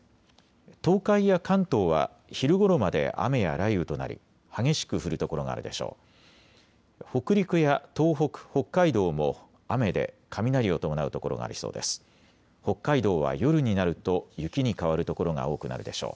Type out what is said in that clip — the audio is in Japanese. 東海や関東は昼ごろまで雨や雷雨となり激しく降る所があるでしょう。